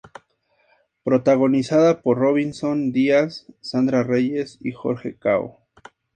Protagonizada por Robinson Díaz, Sandra Reyes y Jorge Cao.